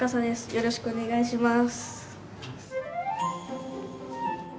よろしくお願いします。